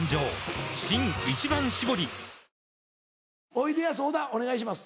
おいでやす小田お願いします。